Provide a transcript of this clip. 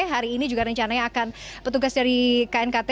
hari ini juga rencananya akan petugas dari knkt